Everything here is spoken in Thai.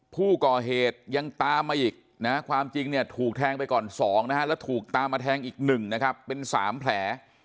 ผู้ก่อเหตุยังตามมาอีกนะความจริงเนี่ยถูกแทงไปก่อน๒นะฮะแล้วถูกตามมาแทงอีก๑นะครับเป็น๓แผล